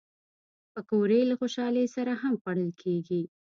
پکورې له خوشحالۍ سره هم خوړل کېږي